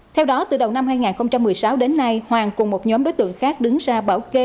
theo đó từ đầu năm hai nghìn một mươi sáu đến nay hoàng cùng một nhóm đối tượng khác đứng ra bảo kê